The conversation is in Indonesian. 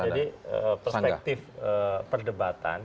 jadi perspektif perdebatan